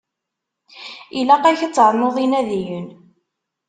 Ilaq-ak ad ternuḍ inadiyen.